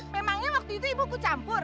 memangnya waktu itu ibu ku campur